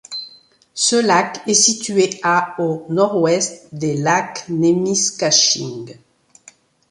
Ce lac est situé à au Nord-Ouest des lacs Némiscachingue.